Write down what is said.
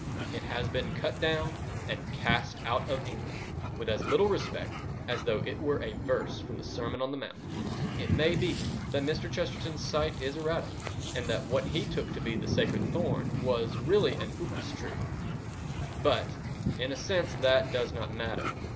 it has been cut down and cast out of England with as little respect as though it were a verse from the Sermon on the Mount. It may be that Mr. Chesterton's sight is erratic, and that what he took to be the sacred thorn was really a Upas tree. But in a sense that does not matter.